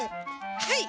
はい！